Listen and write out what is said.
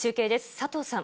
佐藤さん。